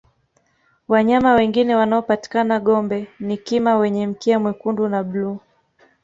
wanyama wengine wanaopatikana gombe ni kima wenye mkia mwekundu na bluu